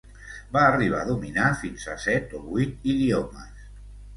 Va arribar a dominar fins a set o vuit idiomes.